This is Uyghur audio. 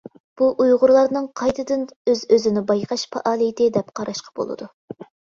بۇ ئۇيغۇرلارنىڭ قايتىدىن ئۆز-ئۆزىنى بايقاش پائالىيىتى دەپ قاراشقا بولىدۇ.